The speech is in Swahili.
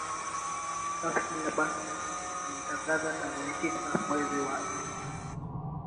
kasri la buckingham lilitangaza tarehe tisa mwezi wa nne